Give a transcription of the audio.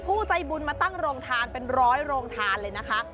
ผู้ใจบุญมาตั้งโรงทานเป็นร้อยโรงทานเลยนะคะ